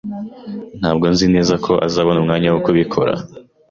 Ntabwo nzi neza ko uzabona umwanya wo kubikora.